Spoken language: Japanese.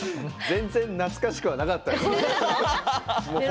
全然懐かしくはなかったっすね。